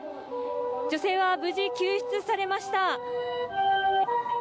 女性は無事、救出されました。